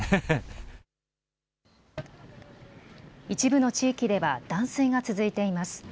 一部の地域では断水が続いています。